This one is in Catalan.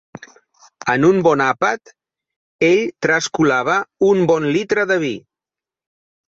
En un bon àpat, ell trascolava un bon litre de vi.